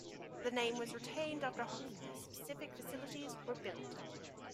The name was retained after hockey-specific facilities were built.